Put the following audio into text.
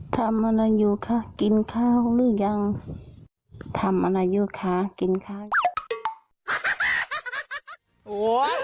ทำอะไรอยู่คะกินข้าวหรือยังทำอะไรอยู่คะกินข้าวอยู่